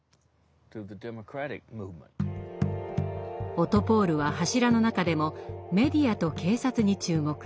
オトポール！は柱の中でも「メディア」と「警察」に注目。